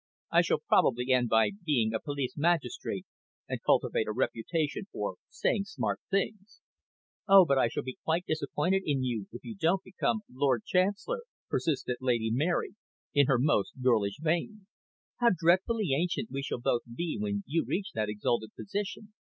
I shall probably end by being a police magistrate, and cultivate a reputation for saying smart things." "Oh, but I shall be quite disappointed in you if you don't become Lord Chancellor," persisted Lady Mary, in her most girlish vein. "How dreadfully ancient we shall both be when you reach that exalted position.